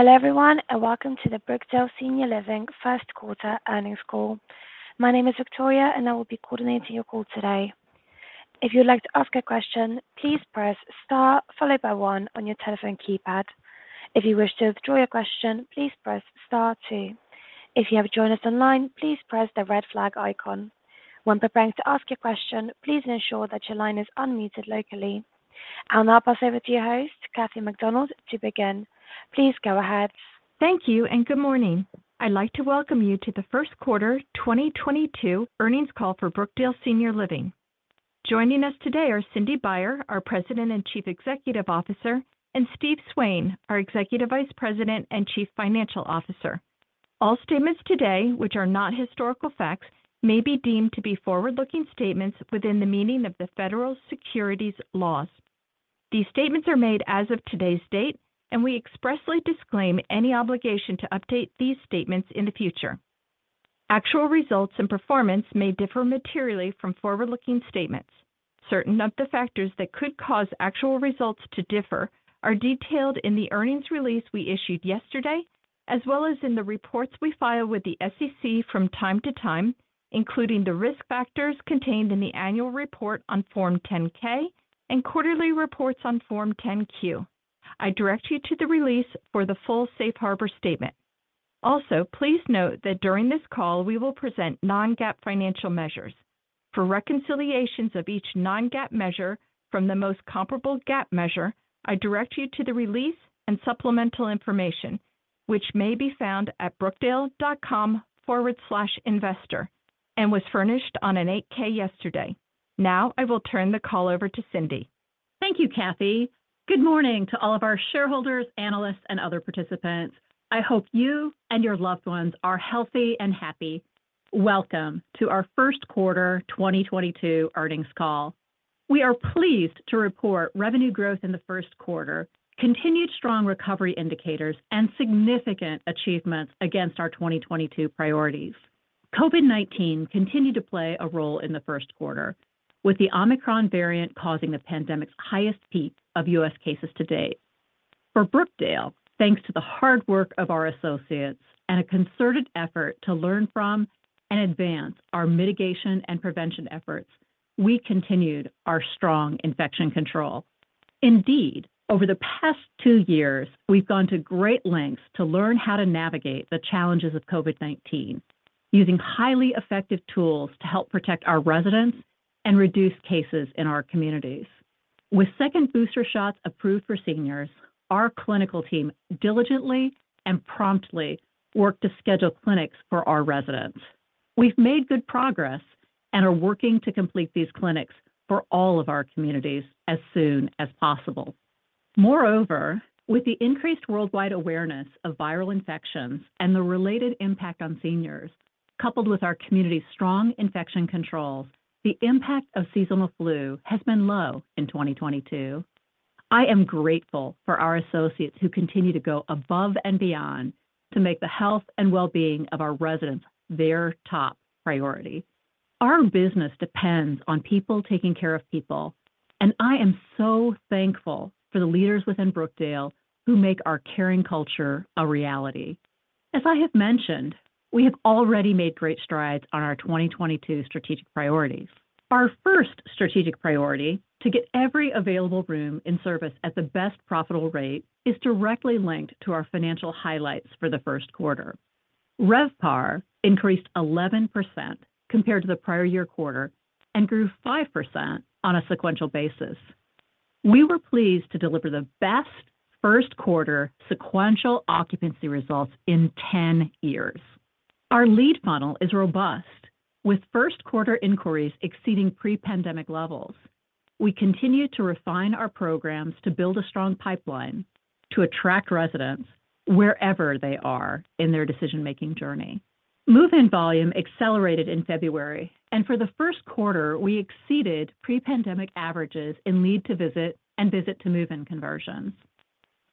Hello everyone, and welcome to the Brookdale Senior Living First Quarter Earnings Call. My name is Victoria, and I will be coordinating your call today. If you'd like to ask a question, please press star followed by one on your telephone keypad. If you wish to withdraw your question, please press star two. If you have joined us online, please press the red flag icon. When preparing to ask your question, please ensure that your line is unmuted locally. I'll now pass over to your host, Kathy MacDonald, to begin. Please go ahead. Thank you and good morning. I'd like to welcome you to the first quarter 2022 earnings call for Brookdale Senior Living. Joining us today are Cindy Baier, our President and Chief Executive Officer, and Steve Swain, our Executive Vice President and Chief Financial Officer. All statements today, which are not historical facts, may be deemed to be forward-looking statements within the meaning of the federal securities laws. These statements are made as of today's date, and we expressly disclaim any obligation to update these statements in the future. Actual results and performance may differ materially from forward-looking statements. Certain of the factors that could cause actual results to differ are detailed in the earnings release we issued yesterday, as well as in the reports we file with the SEC from time to time, including the risk factors contained in the annual report on Form 10-K and quarterly reports on Form 10-Q. I direct you to the release for the full safe harbor statement. Also, please note that during this call, we will present non-GAAP financial measures. For reconciliations of each non-GAAP measure from the most comparable GAAP measure, I direct you to the release and supplemental information, which may be found at brookdale.com/investor and was furnished on an 8-K yesterday. Now I will turn the call over to Cindy. Thank you, Kathy. Good morning to all of our shareholders, analysts, and other participants. I hope you and your loved ones are healthy and happy. Welcome to our first quarter 2022 earnings call. We are pleased to report revenue growth in the first quarter, continued strong recovery indicators, and significant achievements against our 2022 priorities. COVID-19 continued to play a role in the first quarter, with the Omicron variant causing the pandemic's highest peak of U.S. cases to date. For Brookdale, thanks to the hard work of our associates and a concerted effort to learn from and advance our mitigation and prevention efforts, we continued our strong infection control. Indeed, over the past two years, we've gone to great lengths to learn how to navigate the challenges of COVID-19, using highly effective tools to help protect our residents and reduce cases in our communities. With second booster shots approved for seniors, our clinical team diligently and promptly worked to schedule clinics for our residents. We've made good progress and are working to complete these clinics for all of our communities as soon as possible. Moreover, with the increased worldwide awareness of viral infections and the related impact on seniors, coupled with our community's strong infection controls, the impact of seasonal flu has been low in 2022. I am grateful for our associates who continue to go above and beyond to make the health and well-being of our residents their top priority. Our business depends on people taking care of people, and I am so thankful for the leaders within Brookdale who make our caring culture a reality. As I have mentioned, we have already made great strides on our 2022 strategic priorities. Our first strategic priority, to get every available room in service at the best profitable rate, is directly linked to our financial highlights for the first quarter. RevPAR increased 11% compared to the prior year quarter and grew 5% on a sequential basis. We were pleased to deliver the best first quarter sequential occupancy results in 10 years. Our lead funnel is robust, with first quarter inquiries exceeding pre-pandemic levels. We continue to refine our programs to build a strong pipeline to attract residents wherever they are in their decision-making journey. Move-in volume accelerated in February, and for the first quarter, we exceeded pre-pandemic averages in lead-to-visit and visit-to-move-in conversions.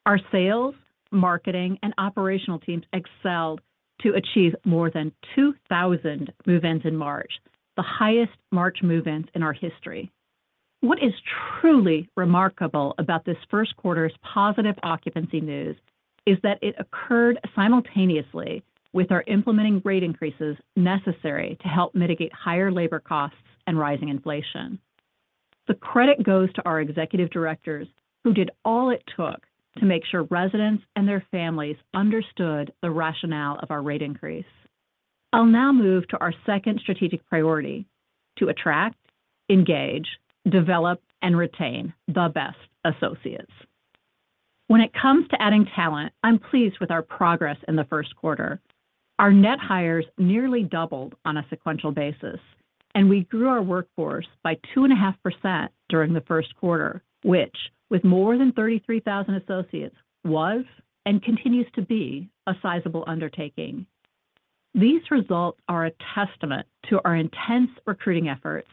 Our sales, marketing, and operational teams excelled to achieve more than 2,000 move-ins in March, the highest March move-ins in our history. What is truly remarkable about this first quarter's positive occupancy news is that it occurred simultaneously with our implementing rate increases necessary to help mitigate higher labor costs and rising inflation. The credit goes to our executive directors who did all it took to make sure residents and their families understood the rationale of our rate increase. I'll now move to our second strategic priority, to attract, engage, develop, and retain the best associates. When it comes to adding talent, I'm pleased with our progress in the first quarter. Our net hires nearly doubled on a sequential basis, and we grew our workforce by 2.5% during the first quarter, which, with more than 33,000 associates, was and continues to be a sizable undertaking. These results are a testament to our intense recruiting efforts,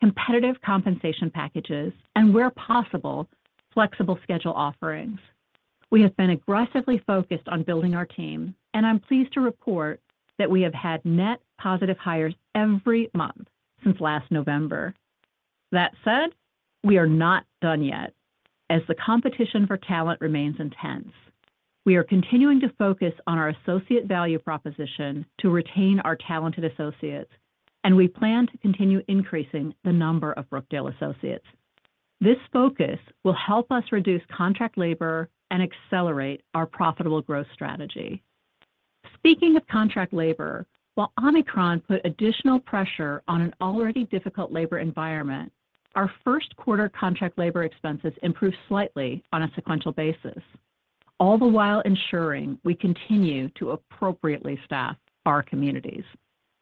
competitive compensation packages, and where possible, flexible schedule offerings. We have been aggressively focused on building our team, and I'm pleased to report that we have had net positive hires every month since last November. That said, we are not done yet as the competition for talent remains intense. We are continuing to focus on our associate value proposition to retain our talented associates, and we plan to continue increasing the number of Brookdale associates. This focus will help us reduce contract labor and accelerate our profitable growth strategy. Speaking of contract labor, while Omicron put additional pressure on an already difficult labor environment, our first quarter contract labor expenses improved slightly on a sequential basis, all the while ensuring we continue to appropriately staff our communities.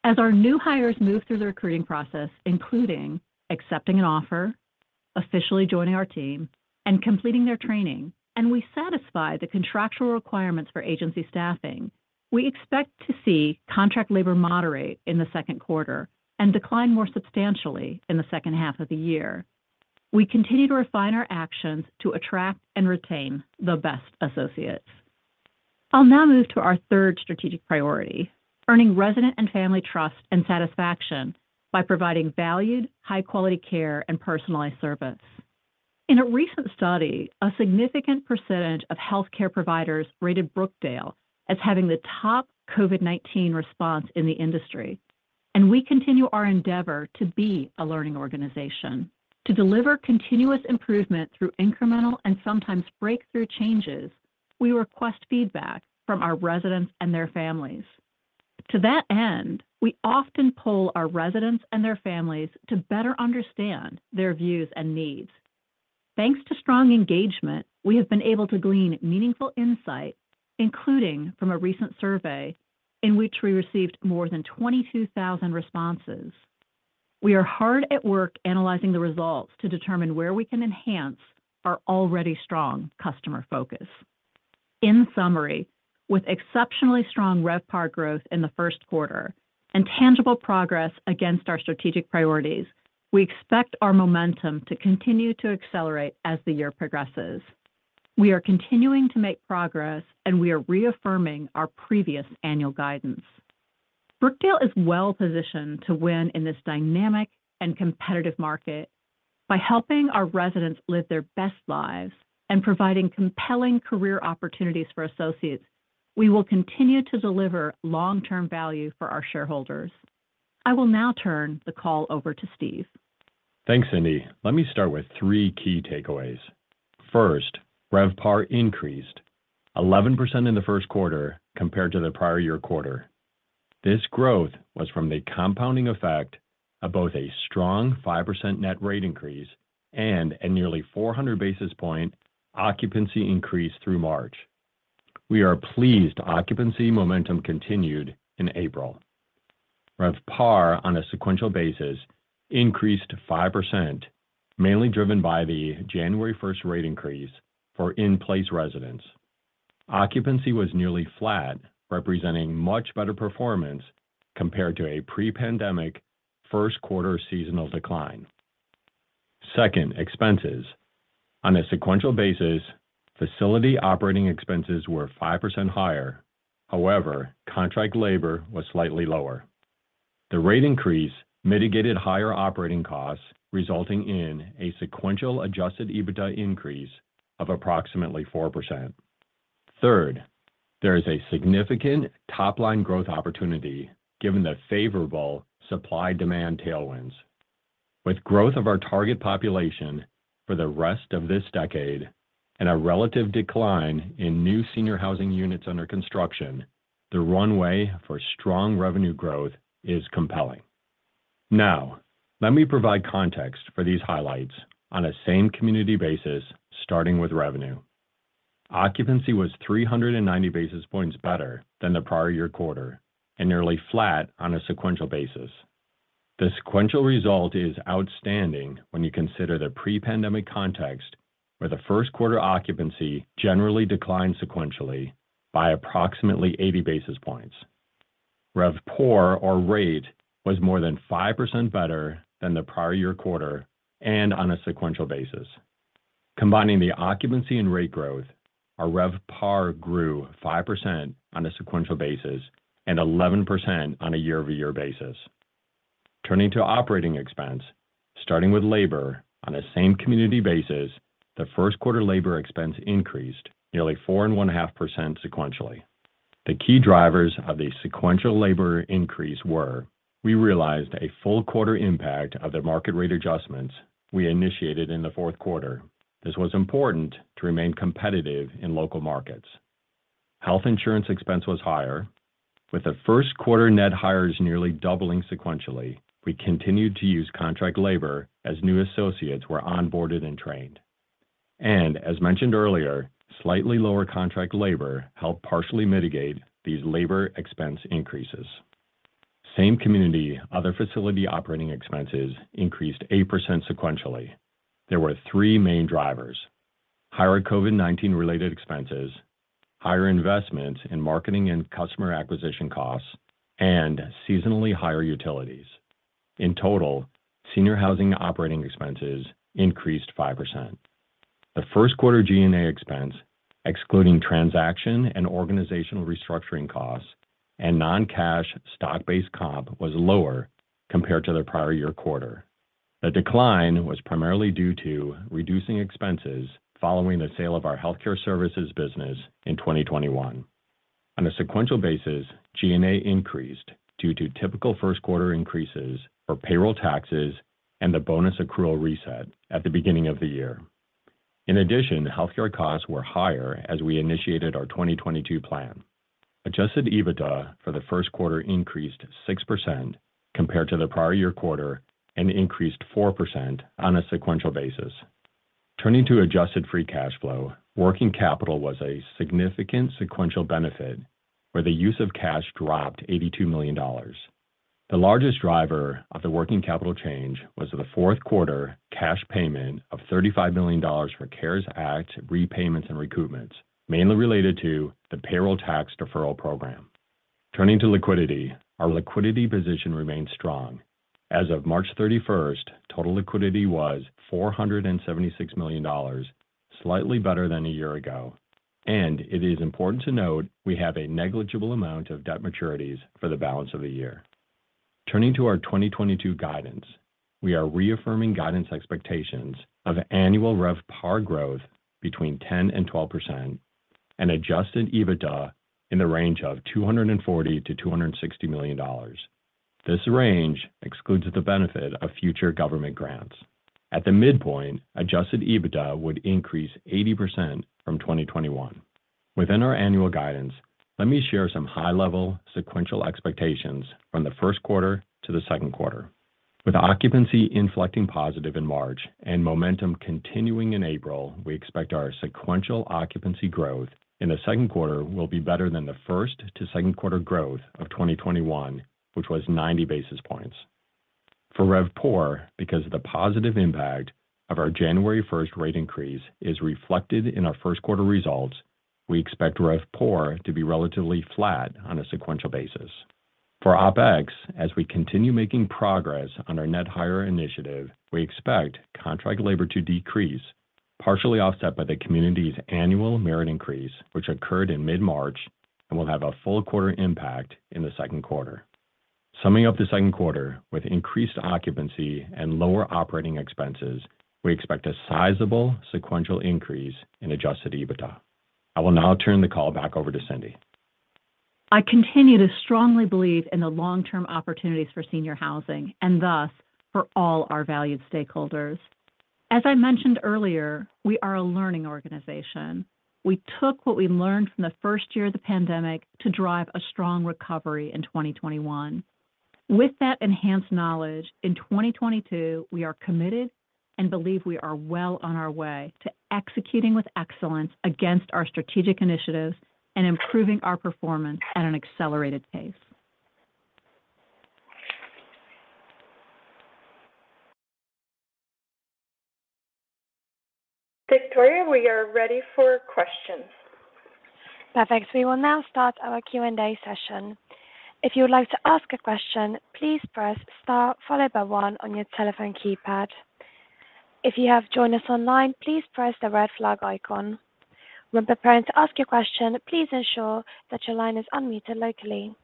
As our new hires move through the recruiting process, including accepting an offer, officially joining our team, and completing their training, and we satisfy the contractual requirements for agency staffing, we expect to see contract labor moderate in the second quarter and decline more substantially in the second half of the year. We continue to refine our actions to attract and retain the best associates. I'll now move to our third strategic priority, earning resident and family trust and satisfaction by providing valued, high-quality care and personalized service. In a recent study, a significant percentage of healthcare providers rated Brookdale as having the top COVID-19 response in the industry, and we continue our endeavor to be a learning organization. To deliver continuous improvement through incremental and sometimes breakthrough changes, we request feedback from our residents and their families. To that end, we often poll our residents and their families to better understand their views and needs. Thanks to strong engagement, we have been able to glean meaningful insight, including from a recent survey in which we received more than 22,000 responses. We are hard at work analyzing the results to determine where we can enhance our already strong customer focus. In summary, with exceptionally strong RevPAR growth in the first quarter and tangible progress against our strategic priorities, we expect our momentum to continue to accelerate as the year progresses. We are continuing to make progress, and we are reaffirming our previous annual guidance. Brookdale is well-positioned to win in this dynamic and competitive market. By helping our residents live their best lives and providing compelling career opportunities for associates, we will continue to deliver long-term value for our shareholders. I will now turn the call over to Steve. Thanks, Cindy. Let me start with three key takeaways. First, RevPAR increased 11% in the first quarter compared to the prior year quarter. This growth was from the compounding effect of both a strong 5% net rate increase and a nearly 400 basis point occupancy increase through March. We are pleased occupancy momentum continued in April. RevPAR on a sequential basis increased 5%, mainly driven by the January first rate increase for in-place residents. Occupancy was nearly flat, representing much better performance compared to a pre-pandemic first quarter seasonal decline. Second, expenses. On a sequential basis, facility operating expenses were 5% higher. However, contract labor was slightly lower. The rate increase mitigated higher operating costs, resulting in a sequential adjusted EBITDA increase of approximately 4%. Third, there is a significant top-line growth opportunity given the favorable supply-demand tailwinds. With growth of our target population for the rest of this decade and a relative decline in new senior housing units under construction, the runway for strong revenue growth is compelling. Now, let me provide context for these highlights on a same community basis starting with revenue. Occupancy was 390 basis points better than the prior year quarter and nearly flat on a sequential basis. The sequential result is outstanding when you consider the pre-pandemic context where the first quarter occupancy generally declined sequentially by approximately 80 basis points. RevPOR or rate was more than 5% better than the prior year quarter and on a sequential basis. Combining the occupancy and rate growth, our RevPAR grew 5% on a sequential basis and 11% on a year-over-year basis. Turning to operating expense, starting with labor on a same community basis, the first quarter labor expense increased nearly 4.5% sequentially. The key drivers of the sequential labor increase were, we realized a full quarter impact of the market rate adjustments we initiated in the fourth quarter. This was important to remain competitive in local markets. Health insurance expense was higher. With the first quarter net hires nearly doubling sequentially, we continued to use contract labor as new associates were onboarded and trained. As mentioned earlier, slightly lower contract labor helped partially mitigate these labor expense increases. Same community, other facility operating expenses increased 8% sequentially. There were three main drivers, higher COVID-19 related expenses, higher investments in marketing and customer acquisition costs, and seasonally higher utilities. In total, senior housing operating expenses increased 5%. The first quarter G&A expense, excluding transaction and organizational restructuring costs and non-cash stock-based comp, was lower compared to the prior year quarter. The decline was primarily due to reducing expenses following the sale of our healthcare services business in 2021. On a sequential basis, G&A increased due to typical first quarter increases for payroll taxes and the bonus accrual reset at the beginning of the year. In addition, healthcare costs were higher as we initiated our 2022 plan. Adjusted EBITDA for the first quarter increased 6% compared to the prior year quarter and increased 4% on a sequential basis. Turning to adjusted free cash flow, working capital was a significant sequential benefit where the use of cash dropped $82 million. The largest driver of the working capital change was the fourth quarter cash payment of $35 million for CARES Act repayments and reimbursements, mainly related to the payroll tax deferral program. Turning to liquidity, our liquidity position remains strong. As of March 31, total liquidity was $476 million, slightly better than a year ago, and it is important to note we have a negligible amount of debt maturities for the balance of the year. Turning to our 2022 guidance, we are reaffirming guidance expectations of annual RevPAR growth between 10% and 12% and adjusted EBITDA in the range of $240 million-$260 million. This range excludes the benefit of future government grants. At the midpoint, adjusted EBITDA would increase 80% from 2021. Within our annual guidance, let me share some high level sequential expectations from the first quarter to the second quarter. With occupancy inflecting positive in March and momentum continuing in April, we expect our sequential occupancy growth in the second quarter will be better than the first to second quarter growth of 2021, which was 90 basis points. For RevPOR, because the positive impact of our January 1st rate increase is reflected in our first quarter results, we expect RevPOR to be relatively flat on a sequential basis. For OpEx, as we continue making progress on our net higher initiative, we expect contract labor to decrease, partially offset by the community's annual merit increase, which occurred in mid-March and will have a full quarter impact in the second quarter. Summing up the second quarter, with increased occupancy and lower operating expenses, we expect a sizable sequential increase in adjusted EBITDA. I will now turn the call back over to Cindy. I continue to strongly believe in the long-term opportunities for senior housing and thus for all our valued stakeholders. As I mentioned earlier, we are a learning organization. We took what we learned from the first year of the pandemic to drive a strong recovery in 2021. With that enhanced knowledge, in 2022, we are committed and believe we are well on our way to executing with excellence against our strategic initiatives and improving our performance at an accelerated pace. Victoria, we are ready for questions. Perfect. We will now start our Q&A session. If you would like to ask a question, please press star followed by one on your telephone keypad. If you have joined us online, please press the red flag icon. When preparing to ask your question, please ensure that your line is unmuted locally.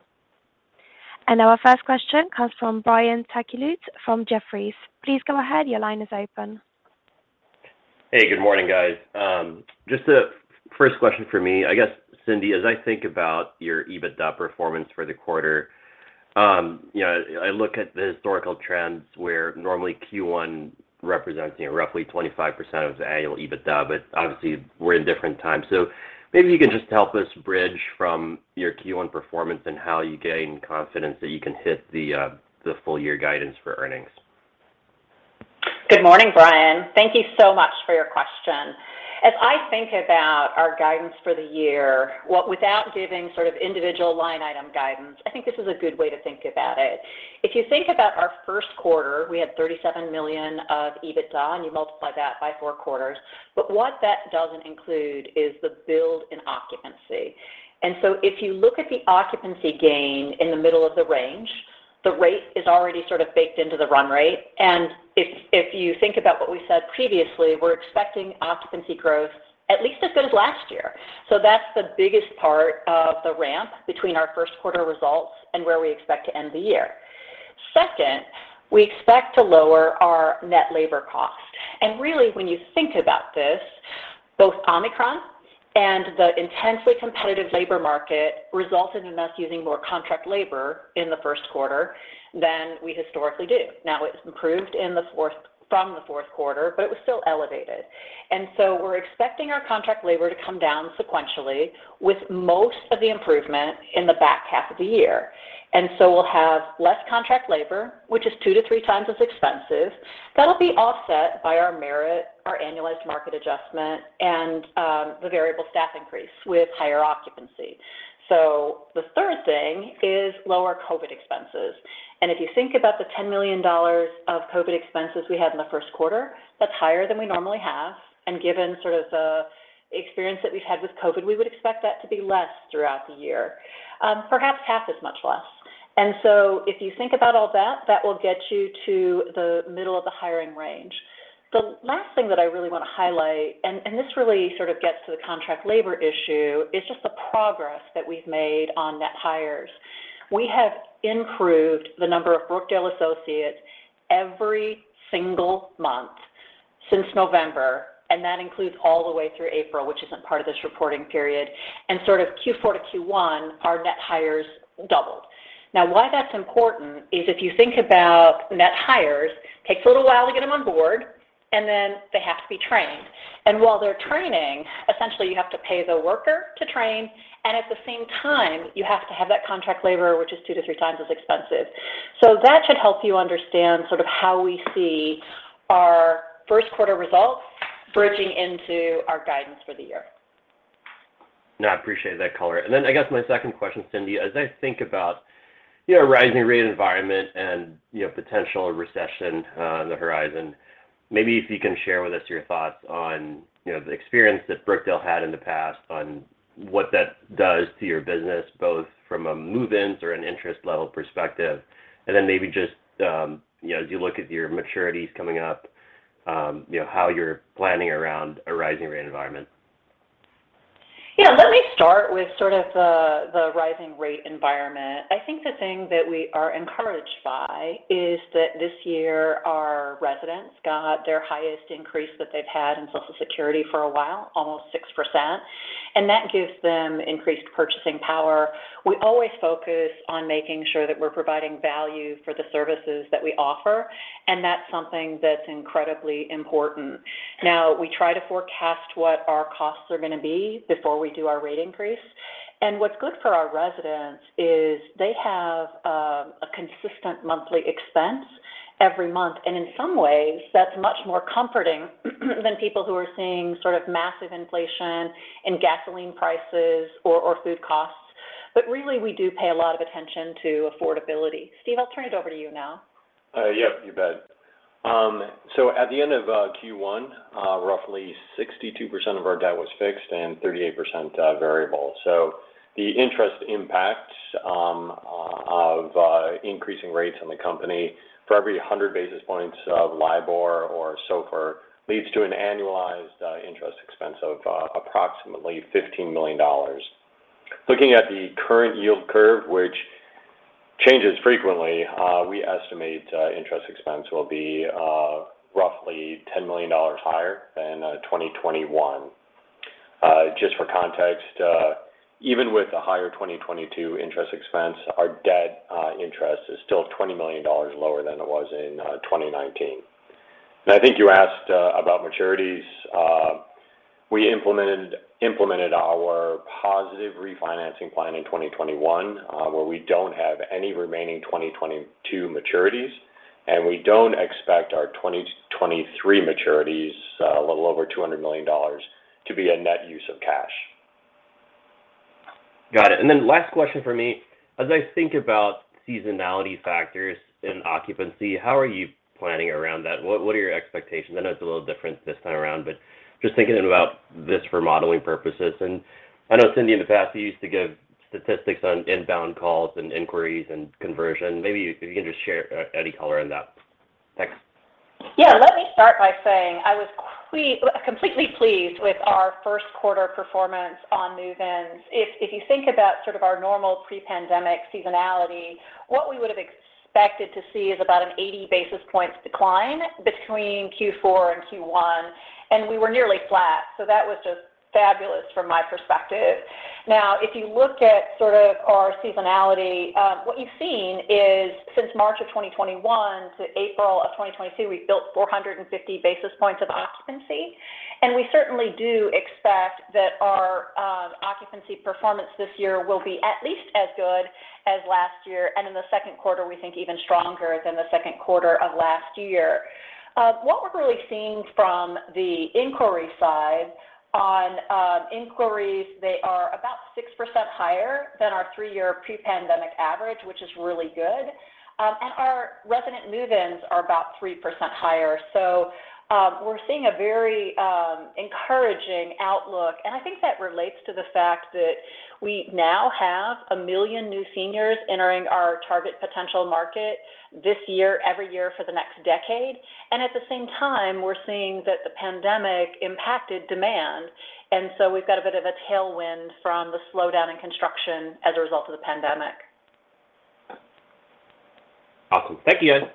Our first question comes from Brian Tanquilut from Jefferies. Please go ahead. Your line is open. Hey, good morning, guys. Just the first question for me, I guess, Cindy, as I think about your EBITDA performance for the quarter, you know, I look at the historical trends where normally Q1 represents, you know, roughly 25% of the annual EBITDA, but obviously we're in different times. Maybe you can just help us bridge from your Q1 performance and how you gain confidence that you can hit the full year guidance for earnings. Good morning, Brian. Thank you so much for your question. As I think about our guidance for the year, without giving sort of individual line item guidance, I think this is a good way to think about it. If you think about our first quarter, we had $37 million of EBITDA, and you multiply that by four quarters. What that doesn't include is the build in occupancy. If you look at the occupancy gain in the middle of the range, the rate is already sort of baked into the run rate. If you think about what we said previously, we're expecting occupancy growth at least as good as last year. That's the biggest part of the ramp between our first quarter results and where we expect to end the year. Second, we expect to lower our net labor costs. Really, when you think about this, both Omicron and the intensely competitive labor market resulted in us using more contract labor in the first quarter than we historically do. Now, it's improved from the fourth quarter, but it was still elevated. We're expecting our contract labor to come down sequentially with most of the improvement in the back half of the year. We'll have less contract labor, which is two to three times as expensive. That'll be offset by our merit, our annualized market adjustment, and the variable staff increase with higher occupancy. The third thing is lower COVID expenses. If you think about the $10 million of COVID expenses we had in the first quarter, that's higher than we normally have. Given the experience that we've had with COVID, we would expect that to be less throughout the year, perhaps half as much less. If you think about all that will get you to the middle of the hiring range. The last thing that I really want to highlight, and this really sort of gets to the contract labor issue, is just the progress that we've made on net hires. We have improved the number of Brookdale associates every single month since November, and that includes all the way through April, which isn't part of this reporting period, and Q4 to Q1, our net hires doubled. Now, why that's important is if you think about net hires, takes a little while to get them on board, and then they have to be trained. While they're training, essentially, you have to pay the worker to train, and at the same time, you have to have that contract labor, which is two to three times as expensive. That should help you understand sort of how we see our first quarter results bridging into our guidance for the year. No, I appreciate that color. I guess my second question, Cindy, as I think about, you know, a rising rate environment and, you know, potential recession on the horizon, maybe if you can share with us your thoughts on, you know, the experience that Brookdale had in the past on what that does to your business, both from a move-ins or an interest level perspective. Maybe just, you know, as you look at your maturities coming up, you know, how you're planning around a rising rate environment. Yeah. Let me start with sort of the rising rate environment. I think the thing that we are encouraged by is that this year, our residents got their highest increase that they've had in Social Security for a while, almost 6%, and that gives them increased purchasing power. We always focus on making sure that we're providing value for the services that we offer, and that's something that's incredibly important. Now, we try to forecast what our costs are gonna be before we do our rate increase. And what's good for our residents is they have a consistent monthly expense every month, and in some ways, that's much more comforting than people who are seeing sort of massive inflation in gasoline prices or food costs. Really, we do pay a lot of attention to affordability. Steve, I'll turn it over to you now. Yep, you bet. So at the end of Q1, roughly 62% of our debt was fixed and 38% variable. So the interest impact of increasing rates on the company for every 100 basis points of LIBOR or SOFR leads to an annualized interest expense of approximately $15 million. Looking at the current yield curve, which changes frequently, we estimate interest expense will be roughly $10 million higher than 2021. Just for context, even with a higher 2022 interest expense, our debt interest is still $20 million lower than it was in 2019. I think you asked about maturities. We implemented our positive refinancing plan in 2021, where we don't have any remaining 2022 maturities, and we don't expect our 2023 maturities, a little over $200 million, to be a net use of cash. Got it. Last question from me. As I think about seasonality factors in occupancy, how are you planning around that? What are your expectations? I know it's a little different this time around, but just thinking about this for modeling purposes. I know, Cindy, in the past, you used to give statistics on inbound calls and inquiries and conversion. Maybe if you can just share any color on that. Thanks. Yeah. Let me start by saying I was completely pleased with our first quarter performance on move-ins. If you think about sort of our normal pre-pandemic seasonality, what we would have expected to see is about an 80 basis points decline between Q4 and Q1, and we were nearly flat. That was just fabulous from my perspective. Now, if you look at sort of our seasonality, what you've seen is since March of 2021 to April of 2022, we've built 450 basis points of occupancy. We certainly do expect that our occupancy performance this year will be at least as good as last year. In the second quarter, we think even stronger than the second quarter of last year. What we're really seeing from the inquiry side on inquiries, they are about 6% higher than our three-year pre-pandemic average, which is really good. Our resident move-ins are about 3% higher. We're seeing a very encouraging outlook, and I think that relates to the fact that we now have 1 million new seniors entering our target potential market this year, every year for the next decade. At the same time, we're seeing that the pandemic impacted demand. We've got a bit of a tailwind from the slowdown in construction as a result of the pandemic. Awesome. Thank you guys.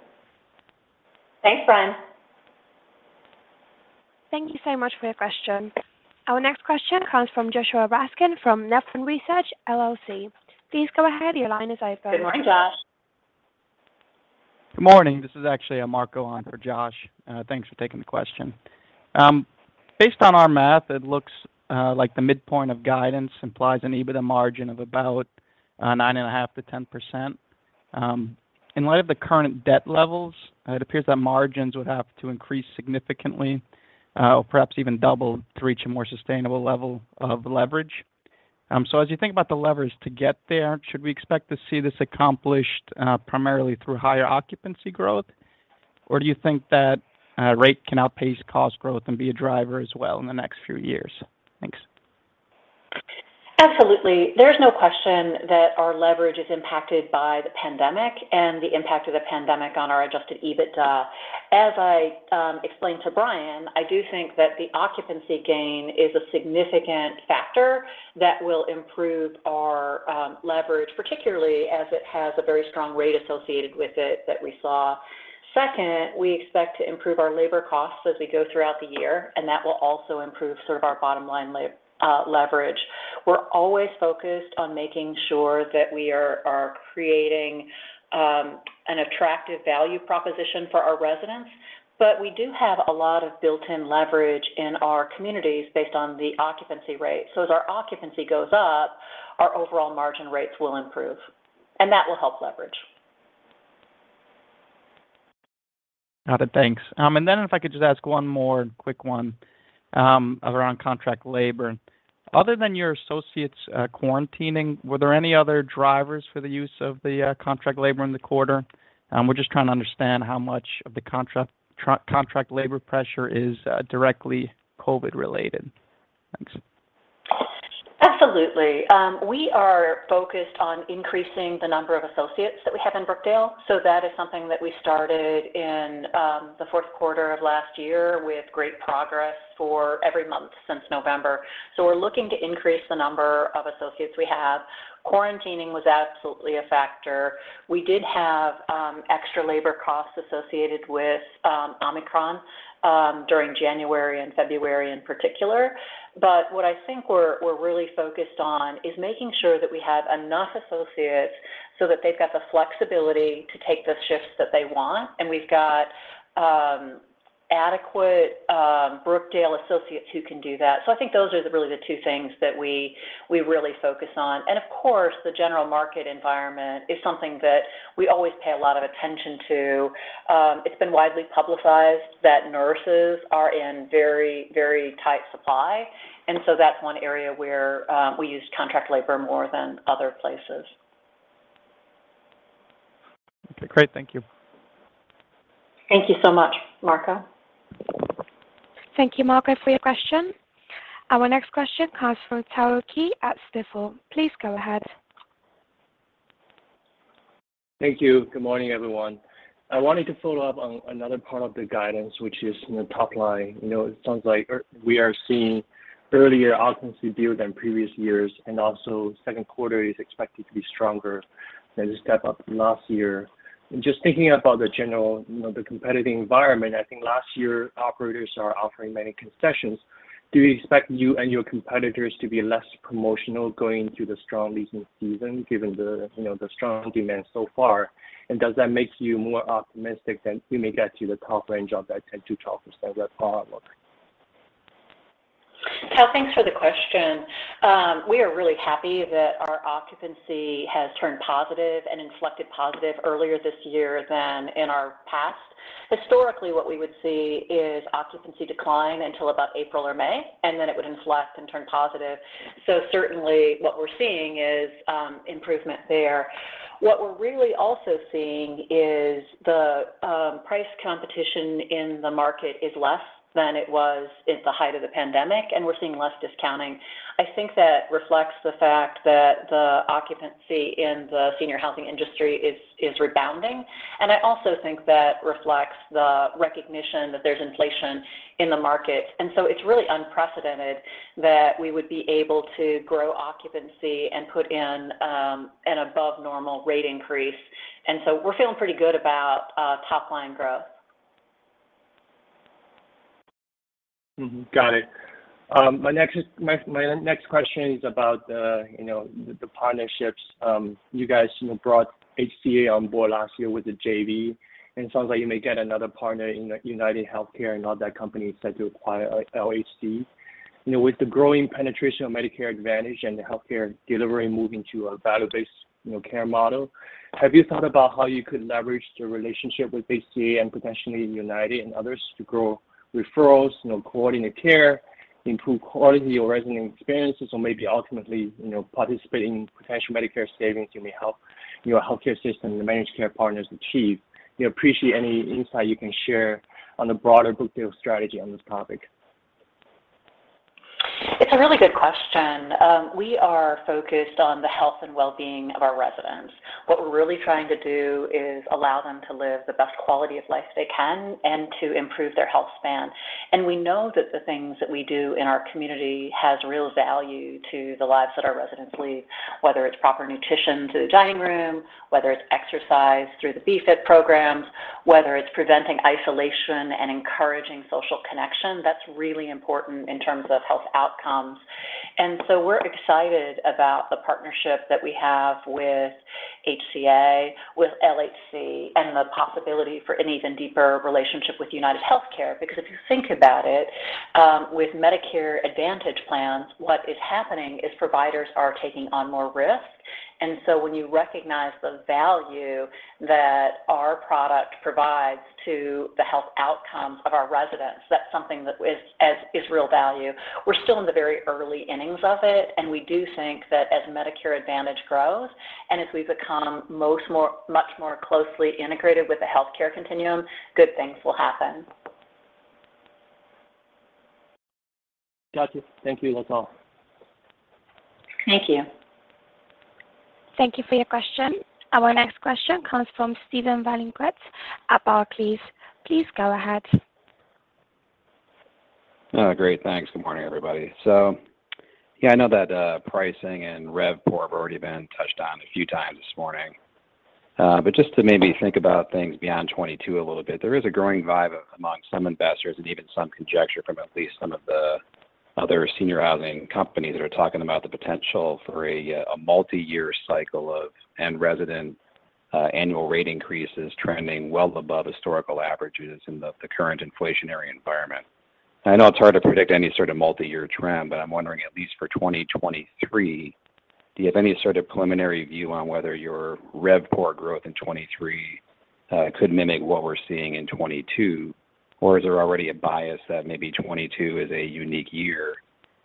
Thanks, Brian. Thank you so much for your question. Our next question comes from Joshua Raskin from Nephron Research LLC. Please go ahead. Your line is open. Good morning, Josh. Good morning. This is actually Marco on for Joshua Raskin. Thanks for taking the question. Based on our math, it looks like the midpoint of guidance implies an EBITDA margin of about 9.5%-10%. In light of the current debt levels, it appears that margins would have to increase significantly or perhaps even double to reach a more sustainable level of leverage. So as you think about the levers to get there, should we expect to see this accomplished primarily through higher occupancy growth? Or do you think that rate can outpace cost growth and be a driver as well in the next few years? Thanks. Absolutely. There's no question that our leverage is impacted by the pandemic and the impact of the pandemic on our adjusted EBITDA. As I explained to Brian, I do think that the occupancy gain is a significant factor that will improve our leverage, particularly as it has a very strong rate associated with it that we saw. Second, we expect to improve our labor costs as we go throughout the year, and that will also improve sort of our bottom-line leverage. We're always focused on making sure that we are creating an attractive value proposition for our residents, but we do have a lot of built-in leverage in our communities based on the occupancy rate. Our occupancy goes up, our overall margin rates will improve, and that will help leverage. Got it. Thanks. If I could just ask one more quick one around contract labor. Other than your associates quarantining, were there any other drivers for the use of the contract labor in the quarter? We're just trying to understand how much of the contract labor pressure is directly COVID-related. Thanks. Absolutely. We are focused on increasing the number of associates that we have in Brookdale. That is something that we started in the fourth quarter of last year with great progress for every month since November. We're looking to increase the number of associates we have. Quarantining was absolutely a factor. We did have extra labor costs associated with Omicron during January and February in particular. What I think we're really focused on is making sure that we have enough associates so that they've got the flexibility to take the shifts that they want, and we've got adequate Brookdale associates who can do that. I think those are really the two things that we really focus on. Of course, the general market environment is something that we always pay a lot of attention to. It's been widely publicized that nurses are in very, very tight supply, and so that's one area where we use contract labor more than other places. Okay. Great. Thank you. Thank you so much, Marco. Thank you, Marco, for your question. Our next question comes from Tao Qiu at Stifel. Please go ahead. Thank you. Good morning, everyone. I wanted to follow up on another part of the guidance, which is from the top line. You know, it sounds like we are seeing earlier occupancy build than previous years, and also second quarter is expected to be stronger than the step up from last year. Just thinking about the general, you know, the competitive environment, I think last year, operators are offering many concessions. Do you expect you and your competitors to be less promotional going through the strong leasing season, given the, you know, the strong demand so far? And does that make you more optimistic than you may get to the top range of that 10%-12%? That's all I want. Tao, thanks for the question. We are really happy that our occupancy has turned positive and inflected positive earlier this year than in our past. Historically, what we would see is occupancy decline until about April or May, and then it would inflect and turn positive. Certainly what we're seeing is improvement there. What we're really also seeing is the price competition in the market is less than it was at the height of the pandemic, and we're seeing less discounting. I think that reflects the fact that the occupancy in the senior living industry is rebounding. I also think that reflects the recognition that there's inflation in the market. It's really unprecedented that we would be able to grow occupancy and put in an above normal rate increase. We're feeling pretty good about top line growth. Got it. My next question is about the, you know, the partnerships. You guys, you know, brought HCA on board last year with the JV, and it sounds like you may get another partner in UnitedHealth Group and Optum that company set to acquire LHC. You know, with the growing penetration of Medicare Advantage and the healthcare delivery moving to a value-based, you know, care model, have you thought about how you could leverage the relationship with HCA and potentially UnitedHealth Group and others to grow referrals, you know, coordinate care, improve quality or resident experiences, or maybe ultimately, you know, participate in potential Medicare savings you may help your healthcare system, the managed care partners achieve? We appreciate any insight you can share on the broader Brookdale strategy on this topic. It's a really good question. We are focused on the health and well-being of our residents. What we're really trying to do is allow them to live the best quality of life they can and to improve their health span. We know that the things that we do in our community has real value to the lives that our residents lead, whether it's proper nutrition through the dining room, whether it's exercise through the B-Fit programs, whether it's preventing isolation and encouraging social connection. That's really important in terms of health outcomes. We're excited about the partnership that we have with HCA, with LHC, and the possibility for an even deeper relationship with UnitedHealth Group. Because if you think about it, with Medicare Advantage Plans, what is happening is providers are taking on more risk. When you recognize the value that our product provides to the health outcomes of our residents, that's something that is real value. We're still in the very early innings of it, and we do think that as Medicare Advantage grows and as we become much more closely integrated with the healthcare continuum, good things will happen. Got you. Thank you, that's all. Thank you. Thank you for your question. Our next question comes from Steven Valiquette at Barclays. Please go ahead. Great. Thanks. Good morning, everybody. Yeah, I know that, pricing and RevPOR have already been touched on a few times this morning. Just to maybe think about things beyond 2022 a little bit, there is a growing vibe among some investors and even some conjecture from at least some of the other senior housing companies that are talking about the potential for a multi-year cycle of in-resident annual rate increases trending well above historical averages in the current inflationary environment. I know it's hard to predict any sort of multi-year trend, but I'm wondering, at least for 2023, do you have any sort of preliminary view on whether your RevPOR growth in 2023 could mimic what we're seeing in 2022? Is there already a bias that maybe 2022 is a unique year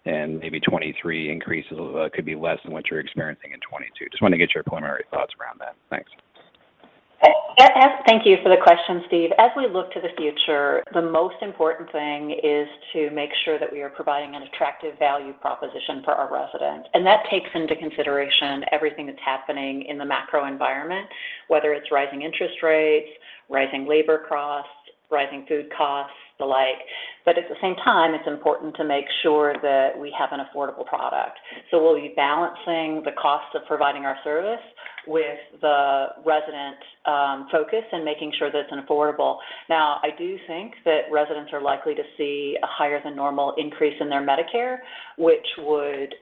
and maybe 2023 increases could be less than what you're experiencing in 2022? Just want to get your preliminary thoughts around that. Thanks. Thank you for the question, Steve. As we look to the future, the most important thing is to make sure that we are providing an attractive value proposition for our residents. That takes into consideration everything that's happening in the macro environment, whether it's rising interest rates, rising labor costs, rising food costs, the like. At the same time, it's important to make sure that we have an affordable product. We'll be balancing the cost of providing our service with the resident focus and making sure that it's an affordable. Now, I do think that residents are likely to see a higher than normal increase in their Medicare, which would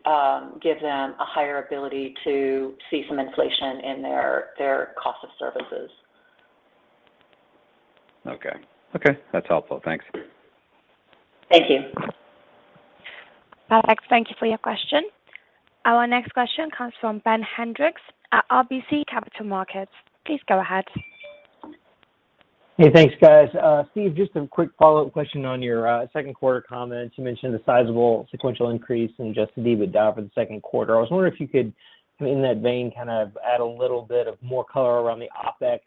give them a higher ability to see some inflation in their cost of services. Okay. Okay. That's helpful. Thanks. Thank you. Perfect. Thank you for your question. Our next question comes from Ben Hendrix at RBC Capital Markets. Please go ahead. Hey, thanks, guys. Steve, just a quick follow-up question on your, second quarter comments. You mentioned the sizable sequential increase in adjusted EBITDA for the second quarter. I was wondering if you could, in that vein, kind of add a little bit of more color around the OpEx,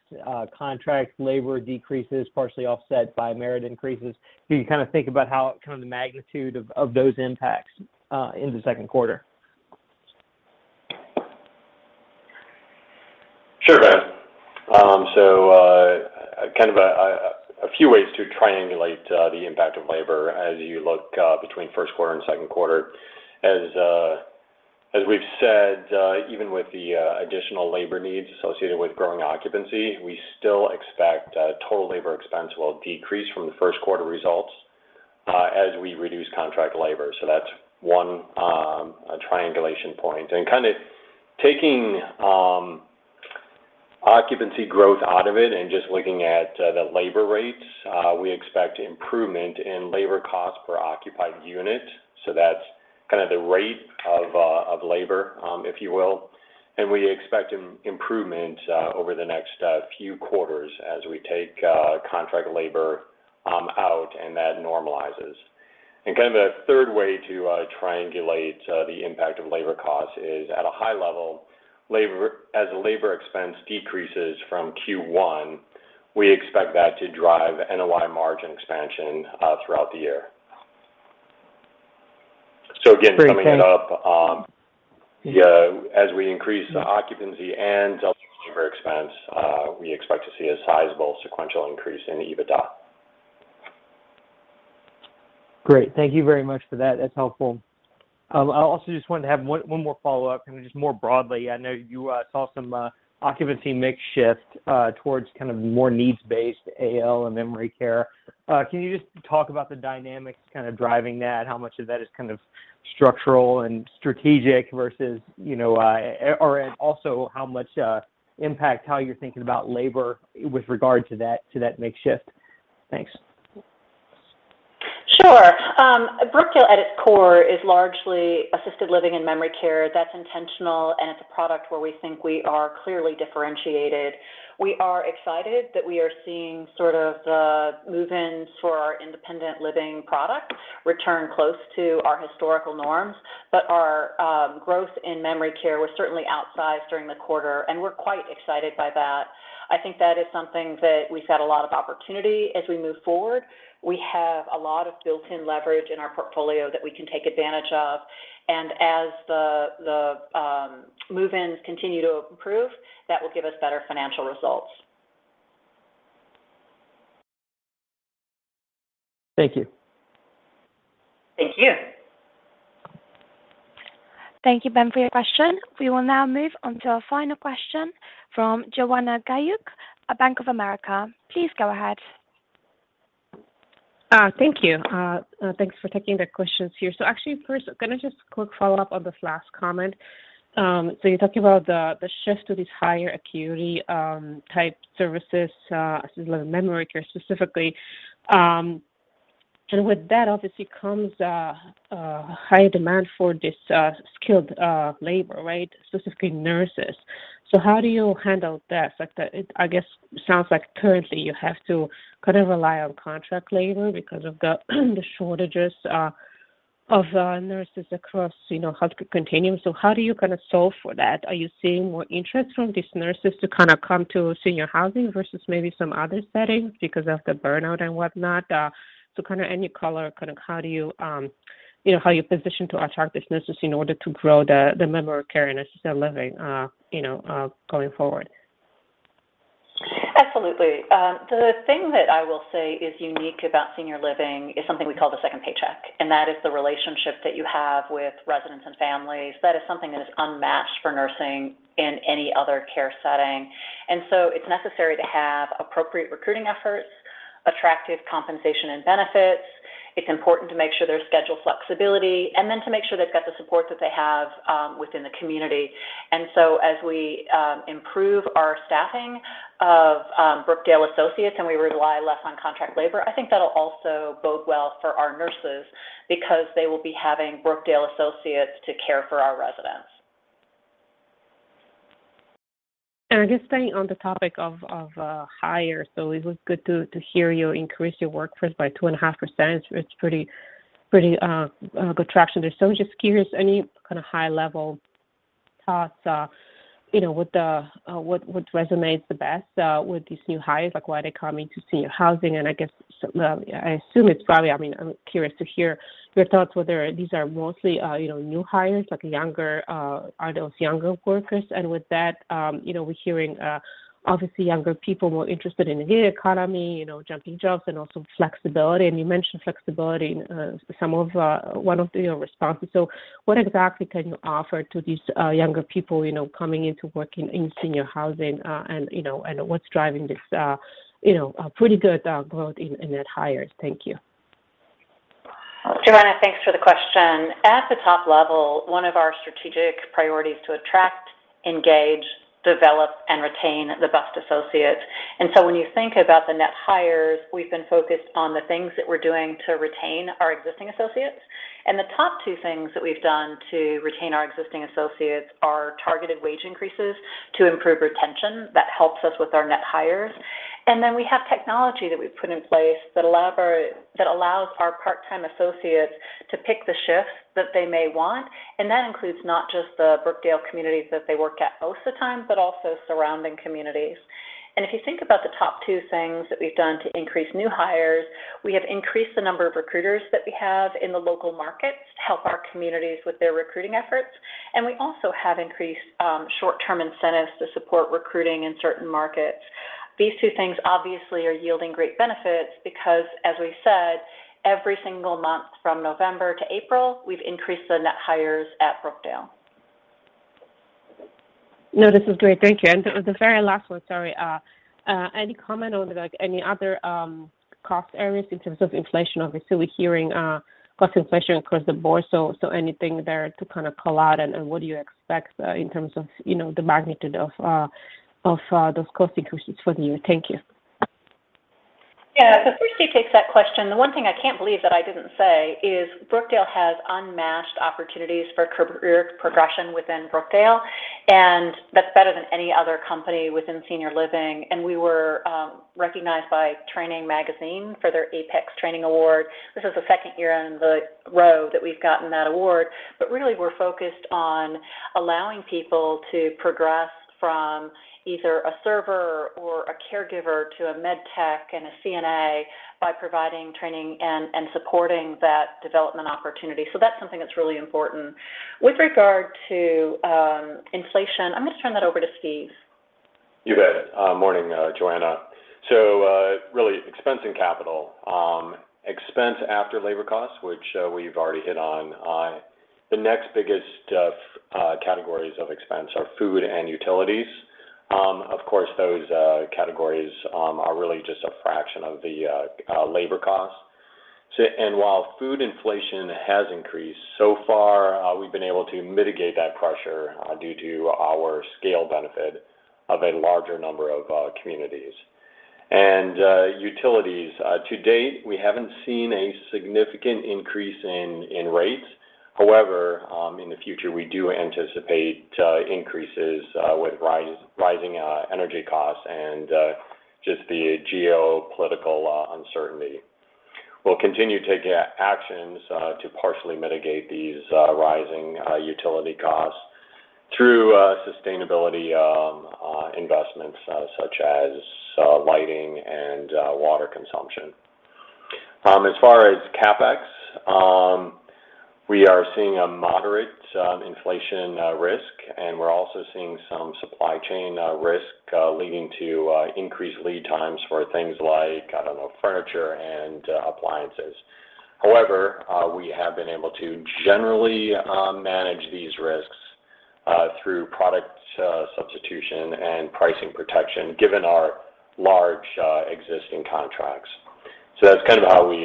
contract labor decreases partially offset by merit increases. Can you kind of think about how kind of the magnitude of those impacts, in the second quarter? Sure, Ben. So, kind of a few ways to triangulate the impact of labor as you look between first quarter and second quarter. As we've said, even with the additional labor needs associated with growing occupancy, we still expect total labor expense will decrease from the first quarter results, as we reduce contract labor. That's one triangulation point. Kind of taking occupancy growth out of it and just looking at the labor rates, we expect improvement in labor cost per occupied unit. That's kind of the rate of labor, if you will. We expect improvement over the next few quarters as we take contract labor out, and that normalizes. Kind of a third way to triangulate the impact of labor costs is, at a high level, as labor expense decreases from Q1, we expect that to drive NOI margin expansion throughout the year. Great. Summing it up, as we increase the occupancy and delta labor expense, we expect to see a sizable sequential increase in the EBITDA. Great. Thank you very much for that. That's helpful. I also just wanted to have one more follow-up, and just more broadly. I know you saw some occupancy mix shift towards kind of more needs-based AL and memory care. Can you just talk about the dynamics kind of driving that? How much of that is kind of structural and strategic versus, and also how much impact how you're thinking about labor with regard to that mix shift? Thanks. Sure. Brookdale at its core is largely assisted living and memory care. That's intentional, and it's a product where we think we are clearly differentiated. We are excited that we are seeing sort of the move-ins for our independent living product return close to our historical norms. Our growth in memory care was certainly outsized during the quarter, and we're quite excited by that. I think that is something that we've had a lot of opportunity as we move forward. We have a lot of built-in leverage in our portfolio that we can take advantage of. As the move-ins continue to improve, that will give us better financial results. Thank you. Thank you. Thank you, Ben, for your question. We will now move on to our final question from Joanna Gajuk at Bank of America. Please go ahead. Thank you. Thanks for taking the questions here. Actually, first, can I just quick follow up on this last comment? You're talking about the shift to these higher acuity type services, assisted living memory care specifically. And with that obviously comes a higher demand for this skilled labor, right? Specifically nurses. How do you handle that? Like, I guess it sounds like currently you have to kind of rely on contract labor because of the shortages of nurses across, you know, health care continuum. How do you kinda solve for that? Are you seeing more interest from these nurses to kinda come to senior housing versus maybe some other settings because of the burnout and whatnot? Kind of any color, kind of how do you know, how you're positioned to attract these nurses in order to grow the memory care and assisted living, you know, going forward? Absolutely. The thing that I will say is unique about senior living is something we call the second paycheck, and that is the relationship that you have with residents and families. That is something that is unmatched for nursing in any other care setting. It's necessary to have appropriate recruiting efforts, attractive compensation and benefits. It's important to make sure there's schedule flexibility and then to make sure they've got the support that they have within the community. As we improve our staffing of Brookdale associates, and we rely less on contract labor, I think that'll also bode well for our nurses because they will be having Brookdale associates to care for our residents. Just staying on the topic of hiring, it was good to hear you increase your workforce by 2.5%. It's pretty good traction there. Just curious, any kind of high level thoughts, you know, what resumes are the best with these new hires? Like, why are they coming to senior housing? I guess, well, I assume it's probably. I mean, I'm curious to hear your thoughts whether these are mostly, you know, new hires, like younger, are those younger workers. With that, you know, we're hearing, obviously younger people more interested in the gig economy, you know, jumping jobs and also flexibility. You mentioned flexibility in some of one of the, you know, responses. What exactly can you offer to these younger people, you know, coming into working in senior housing, and you know, and what's driving this, you know, pretty good growth in net hires? Thank you. Joanna, thanks for the question. At the top level, one of our strategic priority is to attract, engage, develop and retain the best associates. When you think about the net hires, we've been focused on the things that we're doing to retain our existing associates. The top two things that we've done to retain our existing associates are targeted wage increases to improve retention. That helps us with our net hires. We have technology that we've put in place that allows our part-time associates to pick the shifts that they may want. That includes not just the Brookdale communities that they work at most of the time, but also surrounding communities. If you think about the top two things that we've done to increase new hires, we have increased the number of recruiters that we have in the local markets to help our communities with their recruiting efforts. We also have increased short-term incentives to support recruiting in certain markets. These two things obviously are yielding great benefits because as we said, every single month from November to April, we've increased the net hires at Brookdale. No, this is great. Thank you. The very last one, sorry. Any comment on, like, any other cost areas in terms of inflation? Obviously, we're hearing cost inflation across the board. Anything there to kinda call out? What do you expect, in terms of, you know, the magnitude of those cost increases for the year? Thank you. Yeah. Briefly to take that question, the one thing I can't believe that I didn't say is Brookdale has unmatched opportunities for career progression within Brookdale, and that's better than any other company within senior living. We were recognized by Training magazine for their Training APEX Awards. This is the second year in a row that we've gotten that award. Really we're focused on allowing people to progress from either a server or a caregiver to a med tech and a CNA by providing training and supporting that development opportunity. That's something that's really important. With regard to inflation, I'm gonna turn that over to Steve. You bet. Morning, Joanna. Really expense and capital. Expense after labor costs, which we've already hit on, the next biggest categories of expense are food and utilities. Of course, those categories are really just a fraction of the labor costs. While food inflation has increased, so far, we've been able to mitigate that pressure due to our scale benefit of a larger number of communities. Utilities to date, we haven't seen a significant increase in rates. However, in the future, we do anticipate increases with rising energy costs and just the geopolitical uncertainty. We'll continue to take actions to partially mitigate these rising utility costs through sustainability investments such as lighting and water consumption. As far as CapEx, we are seeing a moderate inflation risk, and we're also seeing some supply chain risk leading to increased lead times for things like, I don't know, furniture and appliances. However, we have been able to generally manage these risks through product substitution and pricing protection given our large existing contracts. That's kind of how we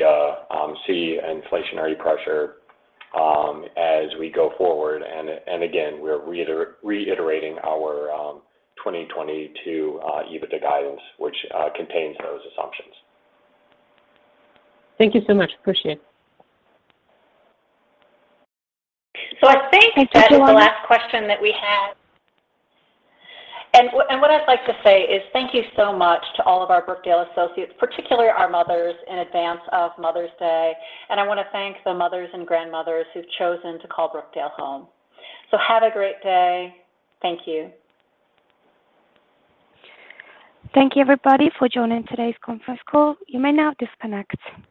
see inflationary pressure as we go forward. Again, we're reiterating our 2022 EBITDA guidance, which contains those assumptions. Thank you so much. Appreciate it. I think. Thanks, everyone. That is the last question that we have. What I'd like to say is thank you so much to all of our Brookdale associates, particularly our mothers in advance of Mother's Day. I wanna thank the mothers and grandmothers who've chosen to call Brookdale home. Have a great day. Thank you. Thank you, everybody, for joining today's conference call. You may now disconnect.